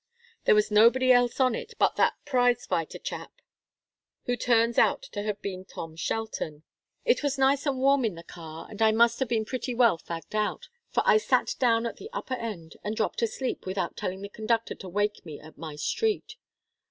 There was nobody else on it but that prize fighter chap, who turns out to have been Tom Shelton. It was nice and warm in the car, and I must have been pretty well fagged out, for I sat down at the upper end and dropped asleep without telling the conductor to wake me at my street.